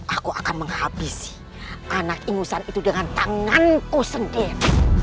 aku akan menghabisi anak ingusan itu dengan tanganku sendiri